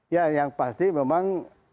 ya yang pasti memang